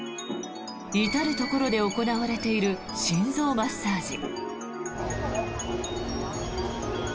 至るところで行われている心臓マッサージ。